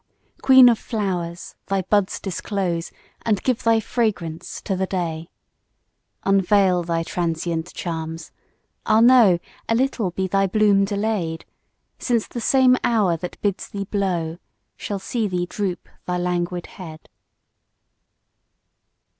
queen of flowers, thy buds disclose, And give thy fragrance to the day; Unveil thy transient charms: ah, no! A little be thy bloom delay'd, Since the same hour that bids thee blow, Shall see thee droop thy languid head.